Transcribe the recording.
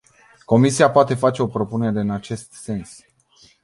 Comisia poate face o propunere în acest sens.